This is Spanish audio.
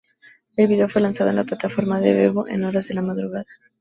El video fue lanzado en la plataforma de Vevo en horas de la madrugada.